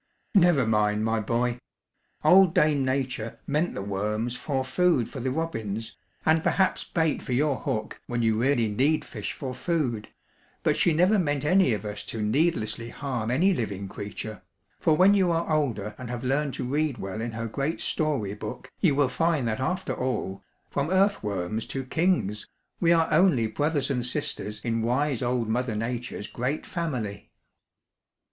"Never mind, my boy. Old Dame Nature meant the worms for food for the robins and perhaps bait for your hook when you really need fish for food, but she never meant any of us to needlessly harm any living creature, for when you are older and have learned to read well in her great story book you will find that after all, from earthworms to kings, we are only brothers and sisters in wise old Mother Nature's great family.